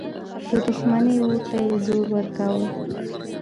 د دښمني اور ته یې زور ورکاوه.